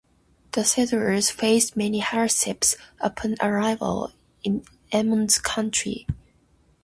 The settlers faced many hardships upon arrival in Emmons County.